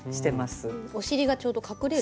お尻がちょうど隠れる。